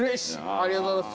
ありがとうございます。